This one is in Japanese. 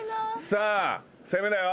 さあ攻めだよ。